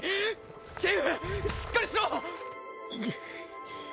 チウしっかりしろ！